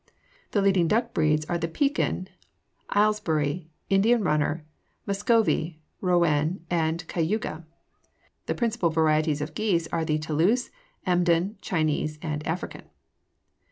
The leading duck breeds are the Pekin, Aylesbury, Indian Runner, Muscovy, Rouen, and Cayuga. The principal varieties of geese are the Toulouse, Emden, Chinese, and African.